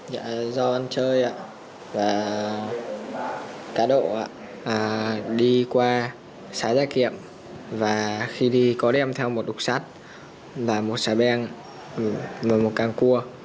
do ăn chơi và cá độ đi qua xã gia kiệm và khi đi có đem theo một đục sát và một xã beng và một căng cua